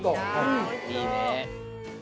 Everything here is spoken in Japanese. いいね。